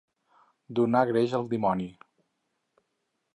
Donar greix al dimoni.